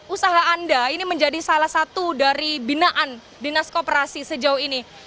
usaha anda ini menjadi salah satu dari binaan dinas koperasi sejauh ini